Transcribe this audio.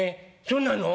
そうなの？